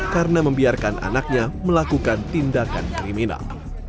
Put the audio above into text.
karena membiarkan anaknya melakukan tindakan kriminal